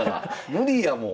無理やもん。